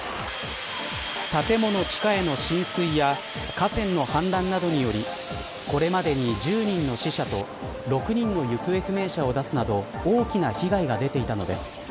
建物地下への浸水や河川のはんらんなどによりこれまでに１０人の死者と６人の行方不明者を出すなど大きな被害が出ていたのです。